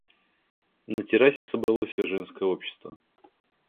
На террасе собралось всё женское общество.